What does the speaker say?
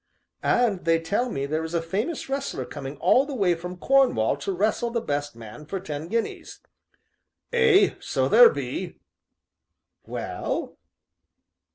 "And, they tell me, there is a famous wrestler coming all the way from Cornwall to wrestle the best man for ten guineas." "Ay, so there be." "Well?"